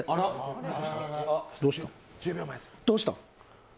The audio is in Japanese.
どうした？